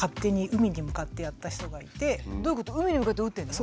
海に向かって打ってるの？